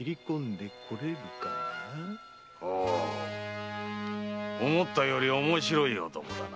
ほう思ったより面白い男だな。